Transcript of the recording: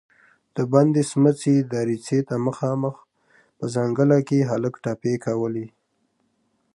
د بندې سمڅې دريڅې ته مخامخ په ځنګله کې هلک ټپې کولې.